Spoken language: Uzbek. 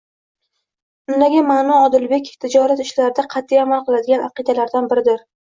undagi ma'no Odilbek tijorat ishlarida qat'iy amal qiladigan aqidalardan biridir.